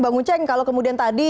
bang uceng kalau kemudian tadi